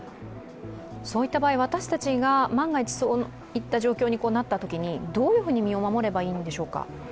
そういった場合、私たちが万が一そういった状況になった場合どういうふうに身を守ればいいんでしょうか。